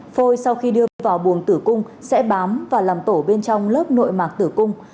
phôi sau khi đưa vào buồng tử cung sẽ bám và làm tổ bên trong lớp nội mạc tử cung